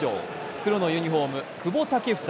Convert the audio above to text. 黒のユニフォーム、久保建英。